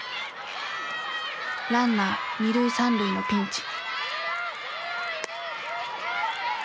ランナー二塁三塁のピンチ。